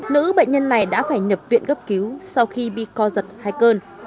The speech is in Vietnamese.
nữ bệnh nhân này đã phải nhập viện cấp cứu sau khi bị co giật hai cơn